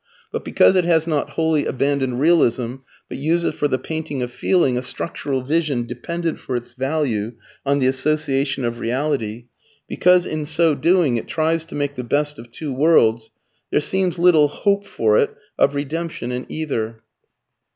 But because it has not wholly abandoned realism but uses for the painting of feeling a structural vision dependent for its value on the association of reality, because in so doing it tries to make the best of two worlds, there seems little hope for it of redemption in either.